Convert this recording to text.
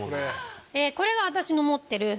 これが私の持ってる。